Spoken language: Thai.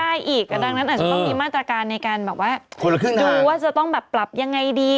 ก็ไม่ได้อีกดังนั้นอาจจะต้องมีมาตรการในการดูว่าจะต้องแบบปรับยังไงดี